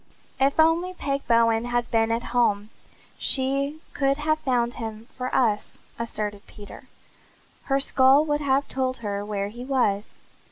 "If only Peg Bowen had been at home she could have found him for us," asserted Peter. "Her skull would have told her where he was."